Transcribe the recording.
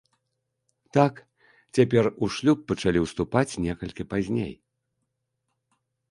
Так, цяпер у шлюб пачалі ўступаць некалькі пазней.